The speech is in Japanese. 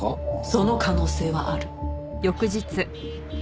その可能性はある。